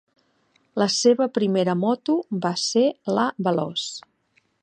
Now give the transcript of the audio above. La seva primera moto va ser la "Veloce".